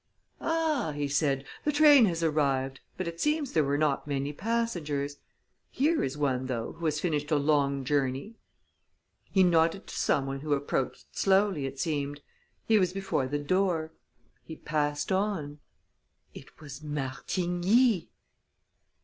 "Ah," he said, "the train has arrived, but it seems there were not many passengers. Here is one, though, who has finished a long journey." He nodded to someone who approached slowly, it seemed. He was before the door he passed on it was Martigny!